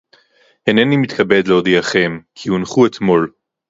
הנני מתכבד להודיעכם, כי הונחו אתמול